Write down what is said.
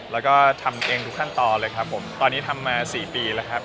แล้วก็ทำเองทุกขั้นตอนเลยครับผมตอนนี้ทำมาสี่ปีแล้วครับ